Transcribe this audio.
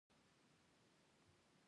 ډېری وختونه یې لنډیز اېب دی